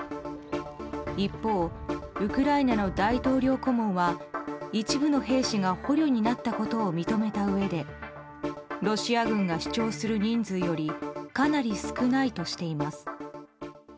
一方、ウクライナの大統領顧問は一部の兵士が捕虜になったことを認めたうえでロシア軍が主張する人数よりかなり少ないとしています。